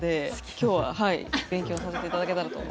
今日は勉強させていただけたらと。